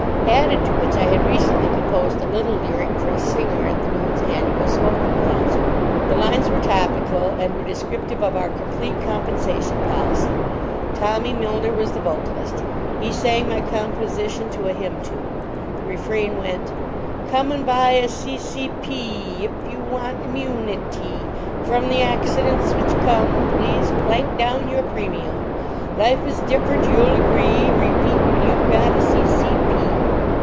Added to which, I had recently composed a little lyric for a singer at the "Moon's" annual smoking concert. The lines were topical and were descriptive of our Complete Compensation Policy. Tommy Milner was the vocalist. He sang my composition to a hymn tune. The refrain went: Come and buy a C.C.Pee ee! If you want immunitee ee From the accidents which come Please plank down your premium. Life is diff'rent, you'll agree Repeat When you've got a C.C.